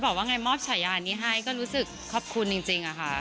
บอกว่าไงมอบฉายานี้ให้ก็รู้สึกขอบคุณจริงค่ะ